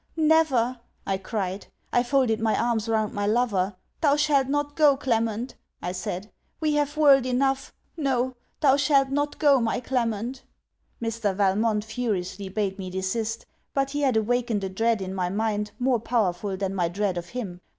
never!' I cried. I folded my arms round my lover 'Thou shalt not go, Clement,' I said. 'We have world enough. No: thou shalt not go, my Clement!' Mr. Valmont furiously bade me desist; but he had awakened a dread in my mind more powerful than my dread of him.